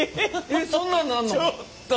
そんなんなんの？